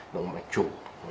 động mạch trụ